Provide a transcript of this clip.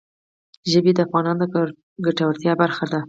ژبې د افغانانو د ګټورتیا برخه ده.